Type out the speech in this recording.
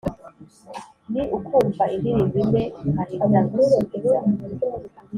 ni ukumva indirimbo imwe nkahita nkusubiza